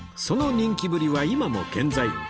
その人気ぶりは今も健在